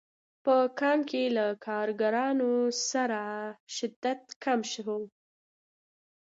په کان کې له کارګرانو سره شدت کم شو